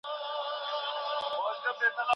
ملتونه چیري د بشري حقونو راپورونه وړاندي کوي؟